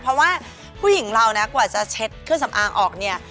เพราะว่าผู้หญิงเรานะกว่าจะเช็ดเครื่องสำอางออกเนี่ย